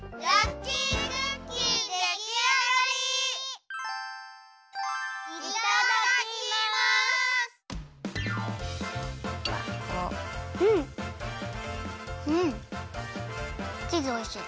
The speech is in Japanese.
チーズおいしい。